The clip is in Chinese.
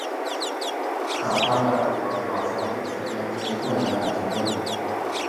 卡塔赫纳和马萨龙是该区两个重要的沿海城镇。